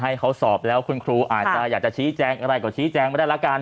ให้เขาสอบแล้วคุณครูอาจจะอยากจะชี้แจงอะไรก็ชี้แจงไม่ได้ละกัน